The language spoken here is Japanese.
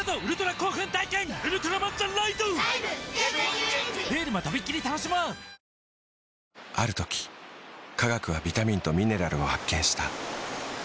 ニトリある時科学はビタミンとミネラルを発見した。